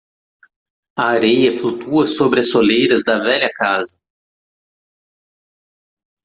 A areia flutua sobre as soleiras da velha casa.